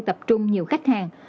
tập trung nhiều khách hàng